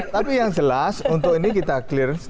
tapi yang jelas untuk ini kita clear